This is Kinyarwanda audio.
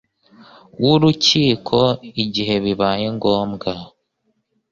w urukiko igihe bibaye ngombwa